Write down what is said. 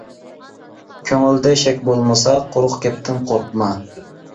كۆڭۈلدە شەك بولمىسا قۇرۇق گەپتىن قورقما.